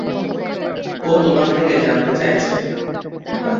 ও তোমার থেকে জানতে চাইছে।